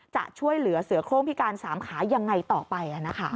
จะช่วยเหลือเสือโครงพิการ๓ขายังไงต่อไป